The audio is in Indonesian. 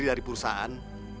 diri dari perusahaan